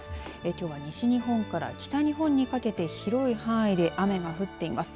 きょうは西日本から北日本にかけて広い範囲で雨が降っています。